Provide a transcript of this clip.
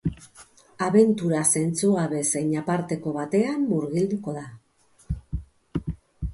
Abentura zentzugabe zein aparteko batean murgilduko da.